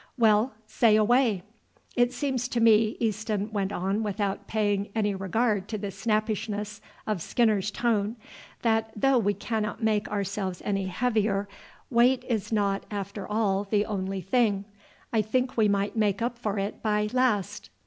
"Well, say away." "It seems to me," Easton went on without paying any regard to the snappishness of Skinner's tone, "that though we cannot make ourselves any heavier, weight is not after all the only thing. I think we might make up for it by last.